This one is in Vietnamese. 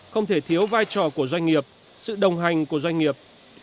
không thể thiếu vai trò của doanh nghiệp sự đồng hành của doanh nghiệp